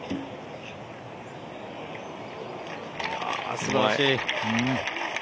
すばらしい。